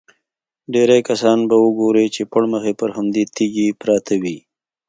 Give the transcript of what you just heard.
ډېری کسان به ګورې چې پړمخې پر همدې تیږې پراته وي.